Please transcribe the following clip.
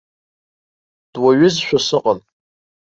Дуаҩызшәа сыҟан.